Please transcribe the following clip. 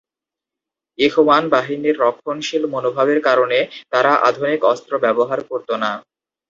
ইখওয়ান বাহিনীর রক্ষণশীল মনোভাবের কারণে তারা আধুনিক অস্ত্র ব্যবহার করত না।